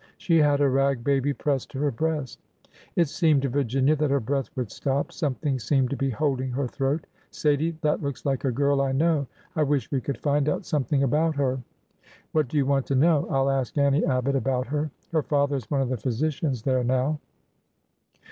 She had a rag baby pressed to her breast. It seemed to Virginia that her breath would stop. Something seemed to be holding her throat. '' Sadie, — that looks like a girl I know ! I wish we could find out something about her." '' What do you want to know ? I 'll ask Annie Abbot about her. Her father is one of the physicians there now."